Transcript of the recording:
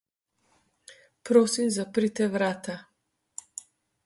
Prosim, zaprite vrata.